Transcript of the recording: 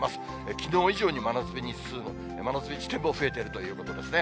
きのう以上に真夏日地点も増えているということですね。